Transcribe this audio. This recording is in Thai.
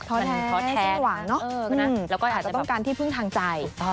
อะไรที่แบบว่าแท้แสดงหวานใช่แล้วก็ต้องการพึ่งทางใจ